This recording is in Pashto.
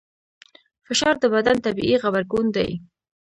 فشار د بدن طبیعي غبرګون دی.